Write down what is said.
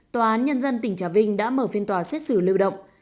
tòa án nhân dân tỉnh trà vinh đã mở phiên tòa xét xử lưu động